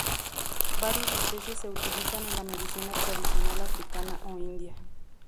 Varias especies se utilizan en la medicina tradicional africana o india.